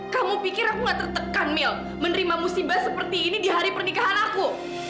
kamu pikir aku gak tertekan mil menerima musibah seperti ini di hari pernikahan aku